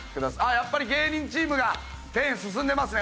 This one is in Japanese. やっぱり芸人チームがペン進んでますね。